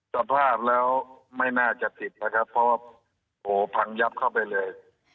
สภาพแล้วไม่น่าจะติดนะครับเพราะว่าโหพังยับเข้าไปเลย